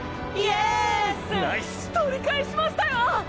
取り返しましたよ！